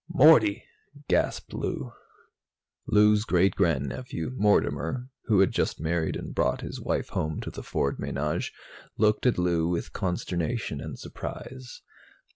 "Morty!" gasped Lou. Lou's great grandnephew, Mortimer, who had just married and brought his wife home to the Ford menage, looked at Lou with consternation and surprise.